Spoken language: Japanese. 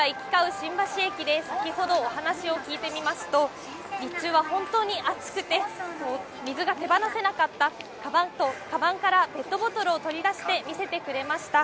多くのサラリーマンが行きかう新橋駅で、先ほどお話を聞いてみますと、日中は本当に暑くて、水が手離せなかったと、かばんからペットボトルを取り出して見せてくれました。